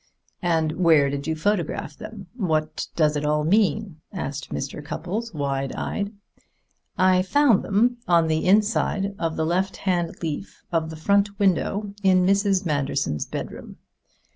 "And where did you photograph them? What does it all mean?" asked Mr. Cupples, wide eyed. "I found them on the inside of the left hand leaf of the front window in Mrs. Manderson's bedroom.